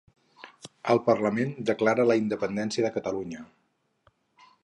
El Parlament declara la independència de Catalunya